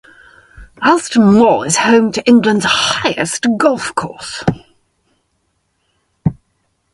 Alston Moor is home to England's highest golf course.